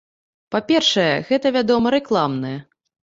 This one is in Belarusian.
Па-першае, гэта, вядома, рэкламная.